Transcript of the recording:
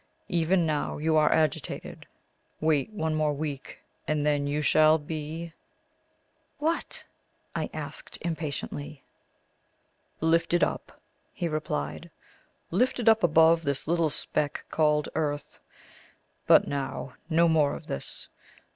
Even now you are agitated. Wait one week more, and then you shall be " "What?" I asked impatiently. "Lifted up," he replied. "Lifted up above this little speck called earth. But now, no more of this.